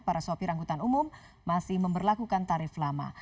para sopir angkutan umum masih memperlakukan tarif lama